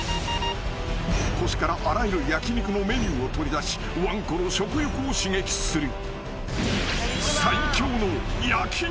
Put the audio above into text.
［腰からあらゆる焼き肉のメニューを取り出しわんこの食欲を刺激する］